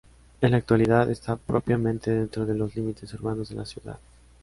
En la actualidad está propiamente dentro de los límites urbanos de la ciudad.